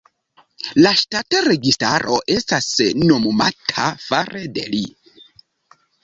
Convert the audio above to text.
La ŝtata registaro estas nomumata fare de li.